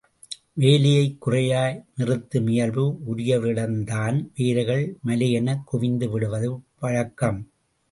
வேலையைக் குறையாய் நிறுத்தும் இயல்பு உடையவரிடந்தான் வேலைகள் மலையெனக் குவிந்து விடுவது வழக்கம்.